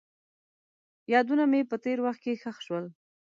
یادونه مې په تېر وخت کې ښخ شول.